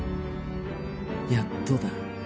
やっとだ